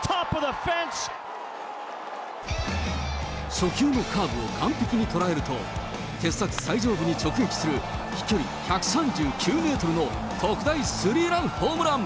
初球のカーブを完璧に捉えると、鉄柵最上部へ直撃する飛距離１３９メートルの特大スリーランホームラン。